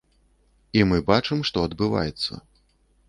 І мы бачым, што адбываецца.